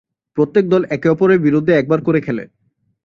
প্রত্যেক দল একে অপরের বিরুদ্ধে একবার করে খেলে।